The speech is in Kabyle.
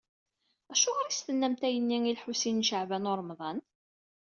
Acuɣer i as-tennamt ayenni i Lḥusin n Caɛban u Ṛemḍan?